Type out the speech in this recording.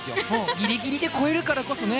ギリギリで超えるからこそ。